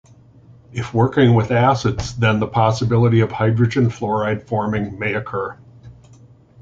If working with acids then the possibility of hydrogen fluoride forming may occur.